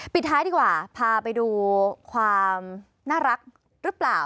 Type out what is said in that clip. ปิดท้ายดีกว่าพาไปดูความน่ารักหรือเปล่า